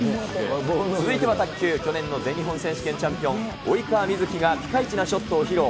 続いては卓球、去年の全日本選手権チャンピオン、及川みずきがピカイチなショットを披露。